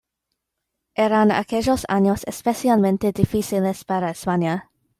Eran aquellos años especialmente difíciles para España.